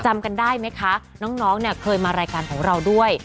จำกันได้ไหมคะน้องเนี่ยเคยมารายการของเราด้วย